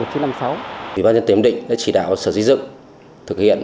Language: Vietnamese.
tỉnh bác dân tiếm định đã chỉ đạo sở dị dựng thực hiện